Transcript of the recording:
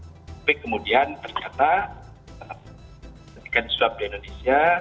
tapi kemudian ternyata ketika di swab di indonesia